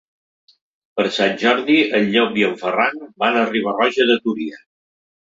Per Sant Jordi en Llop i en Ferran van a Riba-roja de Túria.